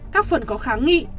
các phần có kháng nghị